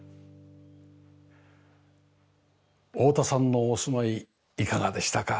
太田さんのお住まいいかがでしたか？